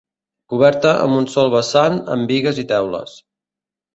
Coberta amb un sol vessant amb bigues i teules.